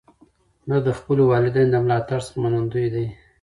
ده د خپلو والدینو د ملاتړ څخه منندوی دی.